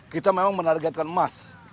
kita memang menargetkan emas